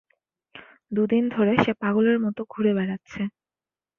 দুদিন ধরে সে পাগলের মত ঘুরে বেড়াচ্ছে।